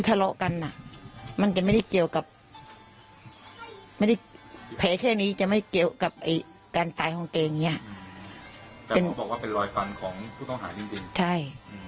แต่เขาบอกว่าเป็นรอยฟันของผู้ต้องหาดินใช่